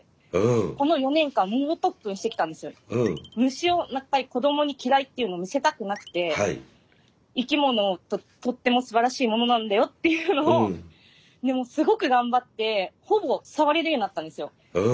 虫を子どもに嫌いっていうのを見せたくなくて生き物とってもすばらしいものなんだよっていうのをでもうすごく頑張ってほぼさわれるようになったんですよ。